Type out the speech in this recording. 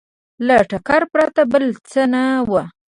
له ټکر پرته بل څه نه وو